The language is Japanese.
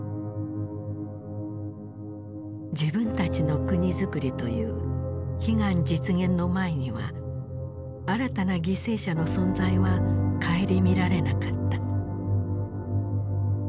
自分たちの国づくりという悲願実現の前には新たな犠牲者の存在は顧みられなかった。